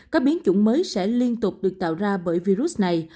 các biến chủng mới sẽ liên tục được tạo ra bởi virus này